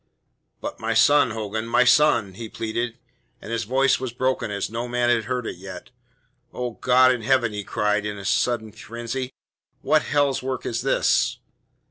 "But my son, Hogan, my son?" he pleaded, and his voice was broken as no man had heard it yet. "Oh, God in heaven!" he cried in a sudden frenzy. "What hell's work is this?"